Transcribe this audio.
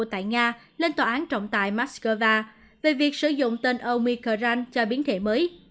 tại nga lên tòa án trọng tại moscow về việc sử dụng tên omicron cho biến thể mới